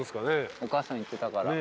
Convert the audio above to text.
お母さん言ってたから。